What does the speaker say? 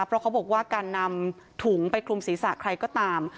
เพราะเขาบอกว่าการนำถุงไปคลุมศีรษะใครก็ตาม